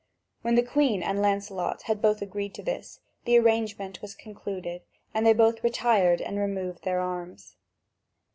When the Queen and Lancelot had both agreed to this, the arrangement was concluded, and they both retired and removed their arms.